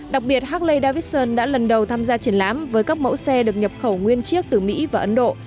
đặc biệt harkley davidson đã lần đầu tham gia triển lãm với các mẫu xe được nhập khẩu nguyên chiếc từ mỹ và ấn độ